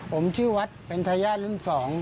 ผมชื่อวัดเป็นทายาทรุ่น๒